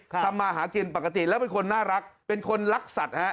ทำมาหากินปกติแล้วเป็นคนน่ารักเป็นคนรักสัตว์ฮะ